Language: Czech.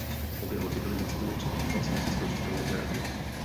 Obě lodi byly nasazeny při okupaci mexického přístavu Veracruz.